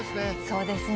そうですね。